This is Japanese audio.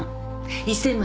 １，０００万